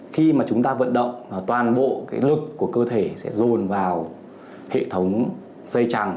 khi mà chúng ta vận động toàn bộ lực của cơ thể sẽ dồn vào hệ thống dây trằng